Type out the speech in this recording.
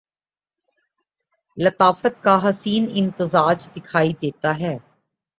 لطافت کا حسین امتزاج دکھائی دیتا ہے